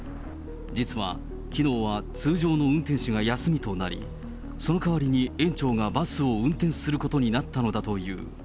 実は、きのうは通常の運転手が休みとなり、その代わりに園長がバスを運転することになったのだという。